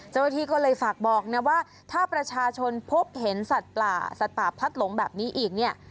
เจ้าหน้าที่ก็เลยฝากบอกว่าถ้าประชาชนพบเห็นสัตว์ป่าพลัดหลงแบบนี้อีก